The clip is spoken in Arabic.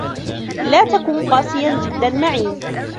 لا تكن قاسياً جداً معي.